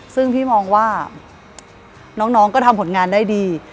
ซึ่งพี่มองว่าน้องก็ทำผลงานได้ดี